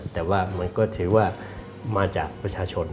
แต่ว่ามันก็ถือว่ามาจากประชาชน